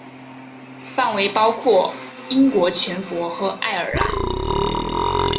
范围包括英国全国和爱尔兰。